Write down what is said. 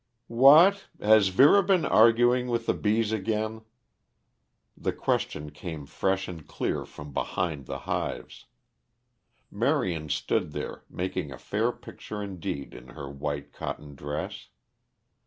"What! Has Vera been arguing with the bees again?" The question came fresh and clear from behind the hives. Marion stood there, making a fair picture indeed in her white cotton dress.